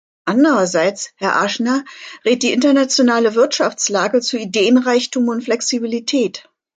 Andererseits, Herr Aznar, rät die internationale Wirtschaftslage zu Ideenreichtum und Flexibilität.